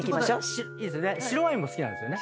白ワインも好きなんですよね？